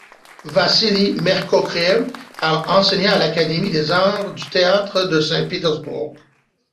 Vassili Merkouriev a enseigné à l'Académie des arts du théâtre de Saint-Pétersbourg.